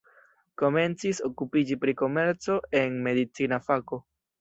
Komencis okupiĝi pri komerco en medicina fako.